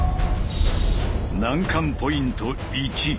難関ポイント１。